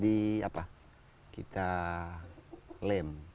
di apa kita lem